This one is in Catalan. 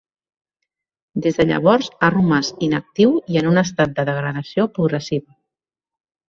Des de llavors ha romàs inactiu i en un estat de degradació progressiva.